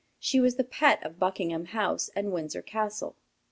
She was the pet of Buckingham House and Windsor Castle.